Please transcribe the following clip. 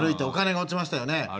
お金が落ちましたよね。